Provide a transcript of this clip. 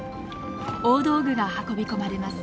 大道具が運び込まれます。